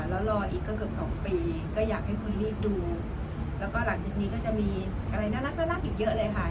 แล้วรออีกก็เกือบสองปีก็อยากให้คุณรีบดูแล้วก็หลังจากนี้ก็จะมีอะไรน่ารักอีกเยอะเลยค่ะ